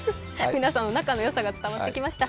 皆さんの仲の良さが伝わってきました。